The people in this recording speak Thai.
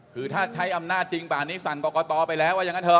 คือถ้าใช้อำนาจจริงป่านนี้สั่งกรกตไปแล้วว่าอย่างนั้นเถ